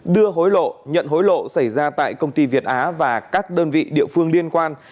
đưa hối lộ nhận hối lộ xảy ra tại công ty việt á và các đơn vị địa phương liên quan